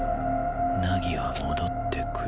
凪は戻ってくる。